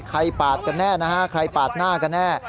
ใครปาดกันแน่